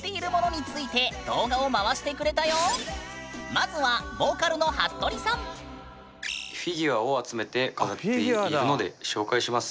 まずはフィギュアを集めて飾っているので紹介します。